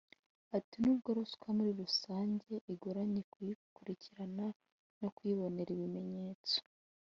Ati “Nubwo ruswa muri rusange igoranye kuyikurikirana no kuyibonera ibimenyetso